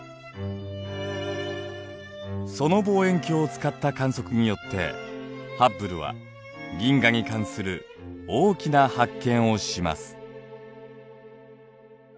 その望遠鏡を使った観測によってハッブルは銀河に関する大きな発見をします。